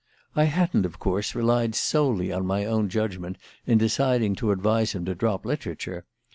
I hadn't, of course, relied solely on my own judgment in deciding to advise him to drop literature.